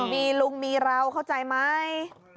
มีลุงมีเราเข้าใจไหม